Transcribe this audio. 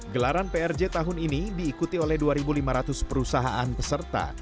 gelaran prj tahun ini diikuti oleh dua lima ratus perusahaan peserta